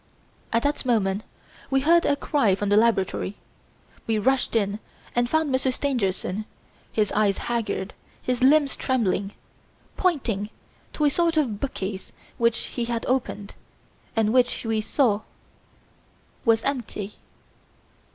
At that moment we heard a cry from the laboratory. We rushed in and found Monsieur Stangerson, his eyes haggard, his limbs trembling, pointing to a sort of bookcase which he had opened, and which, we saw, was empty.